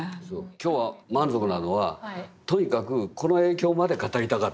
今日は満足なのはとにかくこの影響まで語りたかったんです。